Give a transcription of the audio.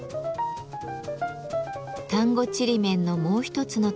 丹後ちりめんのもう一つの特徴